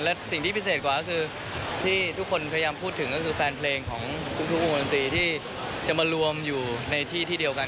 และสิ่งที่พิเศษกว่าก็คือที่ทุกคนพยายามพูดถึงก็คือแฟนเพลงของทุกวงดนตรีที่จะมารวมอยู่ในที่ที่เดียวกัน